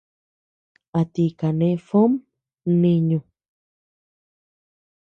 ¿A ti kane Fom mniñu?